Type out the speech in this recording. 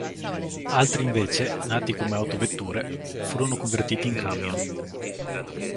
Altri invece, nati come autovetture, furono convertiti in camion.